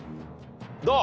どう？